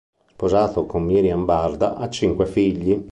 Sposato con Miriam Barda, ha cinque figli.